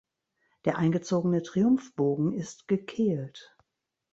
Der eingezogene Triumphbogen ist gekehlt.